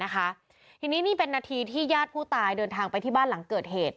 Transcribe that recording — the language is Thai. ทีนี้นี่เป็นนาทีที่ญาติผู้ตายเดินทางไปที่บ้านหลังเกิดเหตุ